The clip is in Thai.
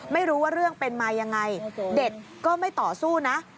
ไม่รู้ว่าเรื่องเป็นมายังไงเด็กก็ไม่ต่อสู้นะ